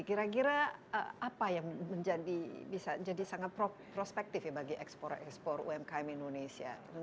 kira kira apa yang bisa jadi sangat prospektif ya bagi ekspor ekspor umkm indonesia